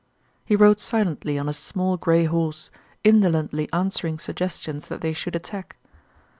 He rode silently on his small gray horse, indolently answering suggestions that they should attack.